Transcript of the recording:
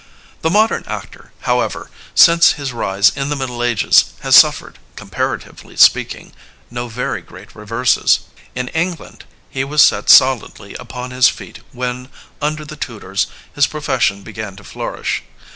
The modem actor, however, since his rise in the middle ages, has suffered, comparatively speaking, no very great reverses. In England he was set solidly upon his feet when, under the Tudors, his profession began to flourish.